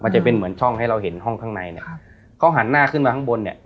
จะเป็นเหมือนช่องให้เราเห็นห้องข้างในเนี่ยครับเขาหันหน้าขึ้นมาข้างบนเนี่ย